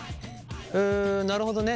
うんなるほどね。